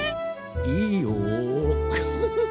いいよフフフ。